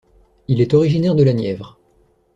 Il est originaire de la Nièvre.